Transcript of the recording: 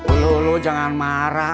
eluh eluh jangan marah